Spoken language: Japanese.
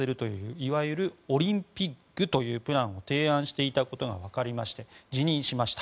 いわゆるオリンピッグというプランを提案していたことが分かりまして辞任しました。